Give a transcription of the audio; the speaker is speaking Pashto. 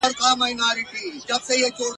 لوی او کم نارې وهلې په خنداوه !.